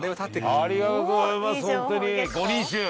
ありがとうございます。